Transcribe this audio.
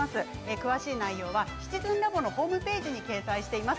詳しい内容は「シチズンラボ」のホームページに掲載しています。